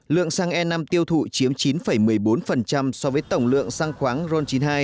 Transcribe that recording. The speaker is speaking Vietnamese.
lượng xăng e năm tiêu thụ chiếm chín một mươi bốn so với tổng lượng xăng khoáng ron chín mươi hai